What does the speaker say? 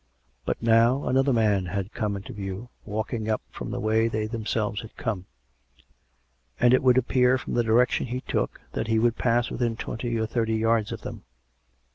But now another man had come into view, walking up from the way they tliemselves had come; and it would appear from the direction he took that he would pass within twenty or thirty yards of them.